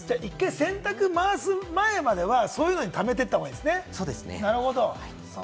洗濯回す前には、そういうのにためていった方がいいわけですね。